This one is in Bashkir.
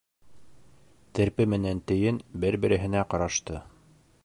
Терпе менән тейен бер-береһенә ҡарашты.